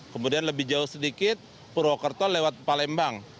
kemudian lebih jauh sedikit purwokerto lewat palembang